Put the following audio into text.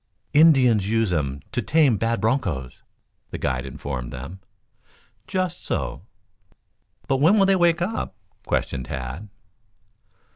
"Indians use 'em to tame bad bronchos," the guide informed them. "Just so." "But, when will they wake up?" questioned Tad.